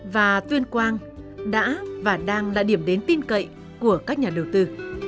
và tuyên quang đã và đang là điểm đến tin cậy của các nhà đầu tư